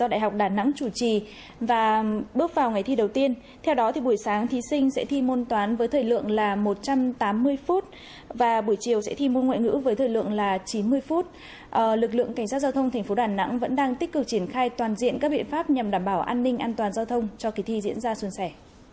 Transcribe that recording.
lực lượng cảnh sát giao thông tp hcm vẫn đang tích cực triển khai toàn diện các biện pháp nhằm đảm bảo an ninh an toàn giao thông cho kỳ thi diễn ra xuân xẻ